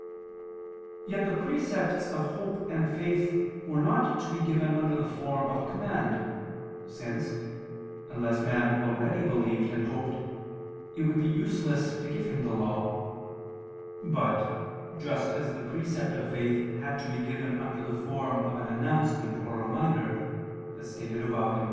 Yet the precepts of hope and faith were not to be given under the form of a command, since, unless man already believed and hoped, it would be useless to give him the Law: but, just as the precept of faith had to be given under the form of an announcement or reminder, as stated above (Q.